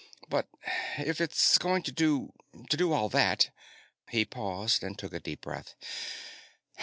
"But if it's going to do ... to do all that " He paused and took a deep breath.